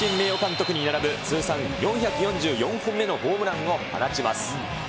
名誉監督に並ぶ、通算４４４本目のホームランを放ちます。